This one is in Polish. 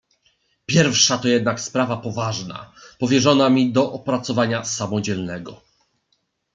"Pierwsza to jednak sprawa poważna, powierzona mi do opracowania samodzielnego."